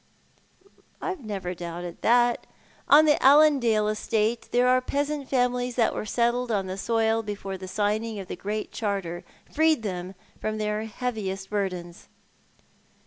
" I have never doubted that. On the Allandale estate there are peasant families that were settled on the soil before the signing of the great Charter freed them from their heaviest burdens."